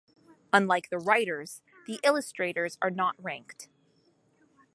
Unlike the Writers, the Illustrators are not ranked.